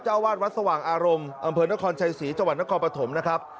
เจ้าวาลวัดสว่างอารมณ์อำเภอนครชัยศรีจนครปฐมนะครับ